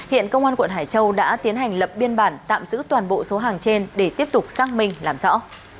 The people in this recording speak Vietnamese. hiện công an quận hải châu đã tiến hành lập biên bản tạm giữ toàn bộ số hàng trên để tiếp tục xác minh làm rõ